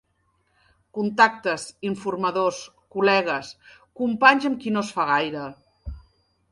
Contactes, informadors, col·legues, companys amb qui no es fa gaire.